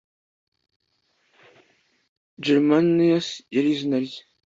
Germanus yari izina rye